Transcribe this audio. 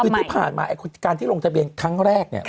คือที่ผ่านมาการที่ลงทะเบียนครั้งแรกเนี่ย